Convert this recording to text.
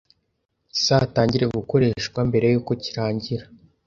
kizatangira gukoreshwa mbere y’uko kirangira